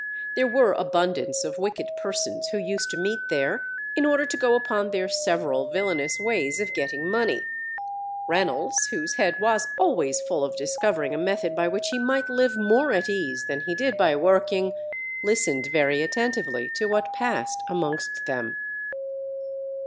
There were abundance of wicked persons who used to meet there, in order to go upon their several villainous ways of getting money; Reynolds (whose head was always full of discovering a method by which he might live more at ease than he did by working) listened very attentively to what passed amongst them.